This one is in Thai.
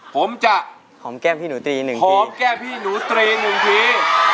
ผมจะหอมแก้มพี่หนูตีนึงที